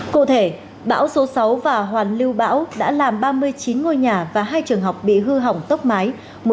cụ thể bão số sáu và hoàn lưu bão đã làm ba mươi chín ngôi nhà và hai trường học bị hư hỏng tốc mái